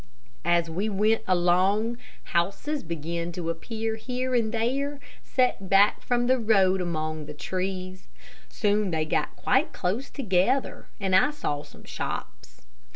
As we went along, houses began to appear here and there, set back from the road among the trees. Soon they got quite close together, and I saw some shops.